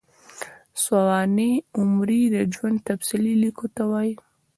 سوانح عمري د ژوند تفصیلي لیکلو ته وايي.